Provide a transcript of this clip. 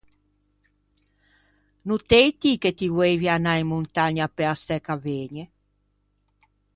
No t’ëi ti che ti voeivi anâ in montagna pe-a stæ ch’a vëgne?